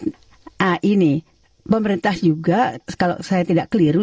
nah ini pemerintah juga kalau saya tidak keliru